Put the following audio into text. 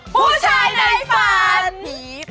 ผู้ชายในฝันผี